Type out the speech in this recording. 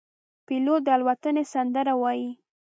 پیلوټ د الوتنې سندره وايي.